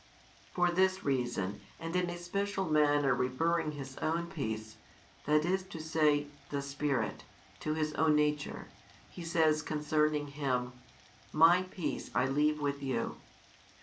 For this reason and in a special manner referring His own peace, that is to say the Spirit, to His own nature, He says concerning Him, My peace I leave with you.